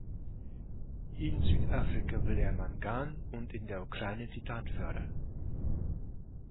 In Südafrika will er Mangan und in der Ukraine Titan fördern.